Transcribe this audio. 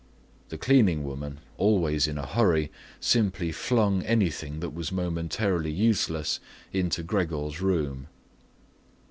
The cleaning woman, always in a hurry, simply flung anything that was momentarily useless into Gregor's room.